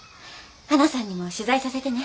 はなさんにも取材させてね。